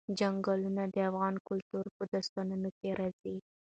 چنګلونه د افغان کلتور په داستانونو کې راځي.